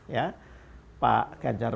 ya pak ganjar